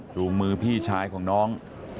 จูงมือพี่ชายของน้อง